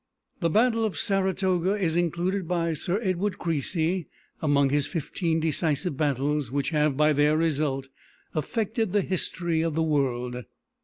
The battle of Saratoga is included by Sir Edward Creasy among his fifteen decisive battles which have, by their result, affected the history of the world.